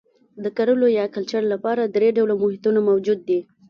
د کرلو یا کلچر لپاره درې ډوله محیطونه موجود دي.